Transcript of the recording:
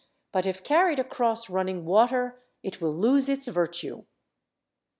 but if carried across running water it will lose its virtue.